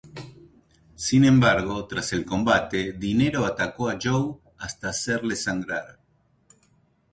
Sin embargo, tras el combate, Dinero atacó a Joe hasta hacerle sangrar.